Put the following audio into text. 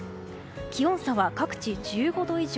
気温差は各地１５度以上。